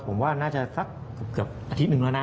ผมว่าน่าจะสักเกือบอาทิตย์หนึ่งแล้วนะ